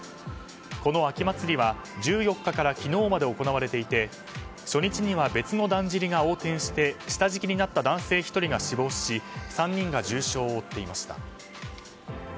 この秋祭りは、１４日から昨日まで行われていて初日には別のだんじりが横転して下敷きになった男性１人が死亡し３人が重傷を負っていました。